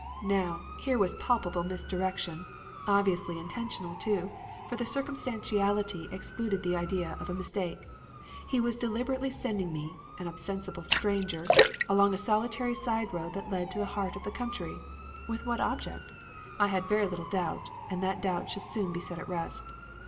"Now, here was a palpable misdirection. Obviously intentional, too, for the circumstantiality excluded the idea of a mistake. He was deliberately sending me an ostensible stranger along a solitary side road that led into the heart of the country. With what object? I had very little doubt, and that doubt should soon be set at rest.